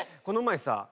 この前さ